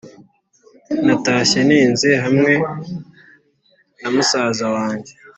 natashye ntinze hamwe na musaza wange,